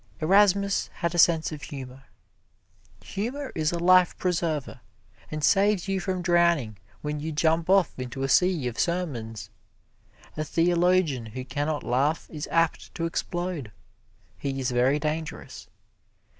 Erasmus had a sense of humor. Humor is a life preserver and saves you from drowning when you jump off into a sea of sermons. A theologian who can not laugh is apt to explode he is very dangerous.